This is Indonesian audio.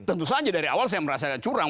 tentu saja dari awal saya merasa curang